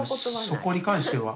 そこに関しては。